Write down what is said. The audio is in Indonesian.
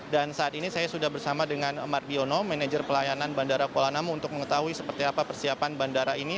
dan saat ini saya sudah bersama dengan mar diono manajer pelayanan bandara kuala namu untuk mengetahui seperti apa persiapan bandara ini